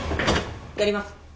やります。